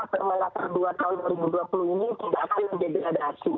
permen latar dua tahun dua ribu dua puluh ini tidak akan menjadi hadasi